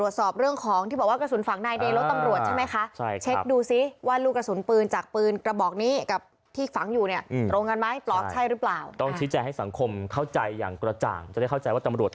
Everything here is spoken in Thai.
หรือว่าทำผิดนะฮะ